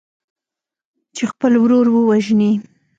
چې خپل ورور ووژني.